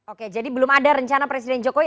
oke jadi belum ada rencana presiden jokowi